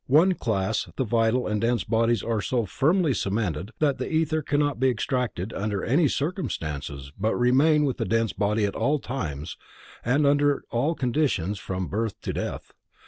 In one class the vital and dense bodies are so firmly cemented that the ethers cannot be extracted under any circumstances but remain with the dense body at all times and under all conditions from birth to death.